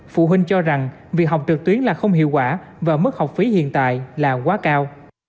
phụ huynh cho rằng việc học trực tuyến là không hiệu quả và mức học phí hiện tại là quá cao